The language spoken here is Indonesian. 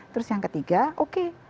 terus yang ketiga oke